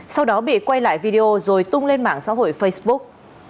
sau đó bị quay lại video rồi tung lên mạng xã hội facebook